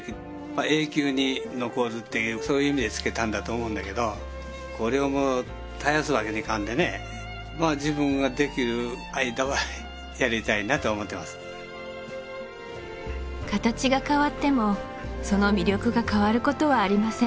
永久に残るっていうそういう意味でつけたんだと思うんだけどこれをもう絶やすわけにいかんでねまあ自分ができる間はやりたいなと思ってます形が変わってもその魅力が変わることはありません